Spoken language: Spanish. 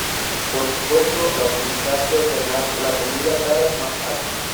Por supuesto, la utilidad de ordenar la comida cara es más alta.